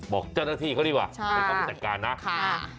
บอกเจ้าหน้าที่เขาดีกว่าให้เขาไปจัดการนะค่ะ